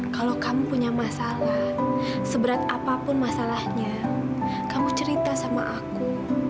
kalau kamu punya masalah seberat apapun masalahnya kamu cerita sama aku